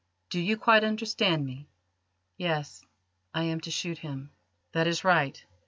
Do you quite understand me?" "Yes; I am to shoot him." "That is right.